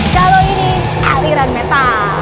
kalau ini aliran metal